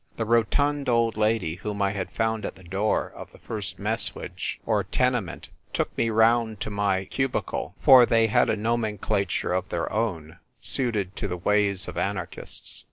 The rotund old lady whom I had found at the door of the first messuage or tenement took me round to my cubicle ; for they had a nomenclature of their own, suited to the ways of anarchists.